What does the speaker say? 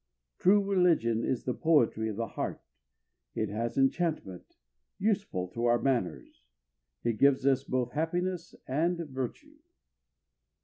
True religion is the poetry of the heart; it has enchantment, useful to our manners; it gives us both happiness and virtue.